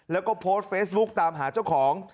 แล้วก็โพสต์เฟซบุ๊กตามหาเจ้าของ